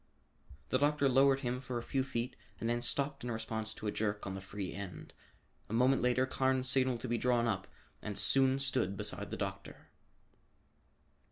The doctor lowered him for a few feet and then stopped in response to a jerk on the free end. A moment later Carnes signaled to be drawn up and soon stood beside the doctor.